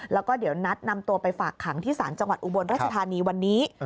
แล้วก็เดี๋ยวนัดนำตัวไปฝากขังที่ศาลจังหวัดอุบลราชธานีวันนี้